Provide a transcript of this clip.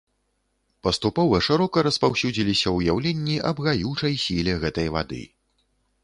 Паступова шырока распаўсюдзіліся ўяўленні аб гаючай сіле гэтай вады.